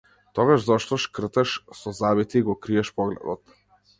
Тогаш зошто шкрташ со забите и го криеш погледот?